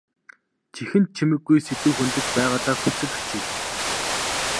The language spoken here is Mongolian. Чихэнд чимэггүй сэдэв хөндөж байгаадаа хүлцэл өчье.